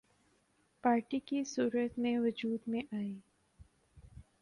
party کی صورت میں وجود میں آئی